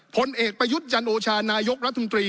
ผลเอกประยุทธ์จันโอชานายกรัฐมนตรี